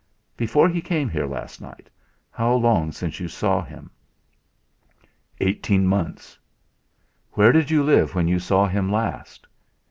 "Before he came here last night, how long since you saw him?" "Eighteen months." "Where did you live when you saw him last?"